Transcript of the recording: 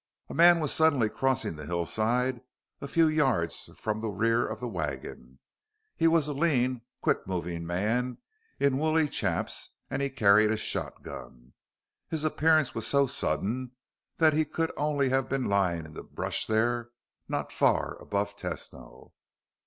A man was suddenly crossing the hillside a few yards from the rear of the wagon. He was a lean, quick moving man in woolly chaps, and he carried a shotgun. His appearance was so sudden that he could only have been lying in the brush there, not far above Tesno.